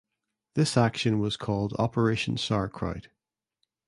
This action was called Operation Sauerkraut.